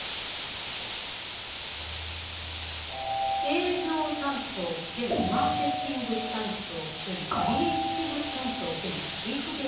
営業担当兼マーケティング担当兼クリエイティブ担当兼チーフデザイナー。